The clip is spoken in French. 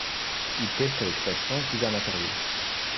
Il teste avec patience divers matériaux.